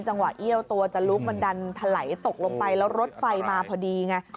จังหวะเอี้ยวตัวจะลุกมันดันทะไหลลูกลงไปแล้วรถไฟมาพอดีไง